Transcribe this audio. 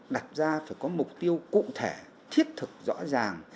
đặt ra phải có mục tiêu cụ thể thiết thực rõ ràng